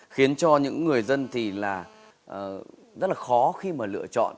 khiến cho những người dân thì là rất là khó khi mà lựa chọn